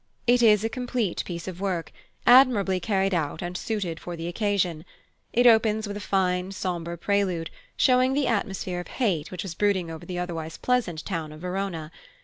It is a complete piece of work, admirably carried out and suited for the occasion. It opens with a fine sombre prelude, showing the atmosphere of hate which was brooding over the otherwise pleasant town of Verona.